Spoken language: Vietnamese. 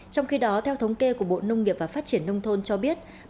trong khi đó theo thống kê của bộ nông nghiệp và phát triển nông thôn cho biết